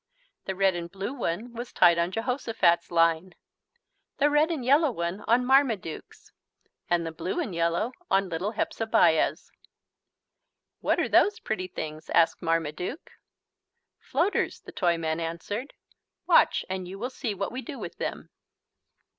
The red and blue one was tied on Jehosophat's line, the red and yellow one on Marmaduke's, and the blue and yellow on little Hepzebiah's. "What are those pretty things?" asked Marmaduke. "Floaters," the Toyman answered. "Watch and you will see what we do with them."